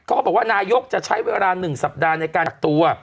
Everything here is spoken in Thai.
ก็บอกว่านายกจะใช้เวลา๑สัปดาห์ในการกักตัว